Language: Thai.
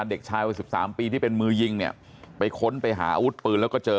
เด็กชายวัย๑๓ปีที่เป็นมือยิงเนี่ยไปค้นไปหาอาวุธปืนแล้วก็เจอ